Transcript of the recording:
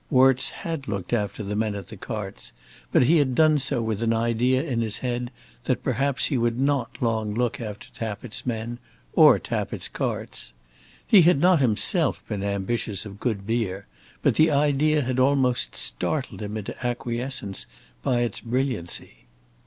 Worts had looked after the men at the carts, but he had done so with an idea in his head that perhaps he would not long look after Tappitt's men or Tappitt's carts. He had not himself been ambitious of good beer, but the idea had almost startled him into acquiescence by its brilliancy.